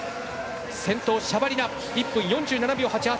先頭、シャバリナ１分４７秒８８。